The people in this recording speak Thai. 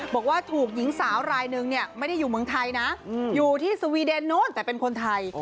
บอกว่าถูกหญิงสาวรายนึงเนี่ยไม่ได้อยู่เมืองไทยนะอยู่ที่สวีเดนนู้นแต่เป็นคนไทย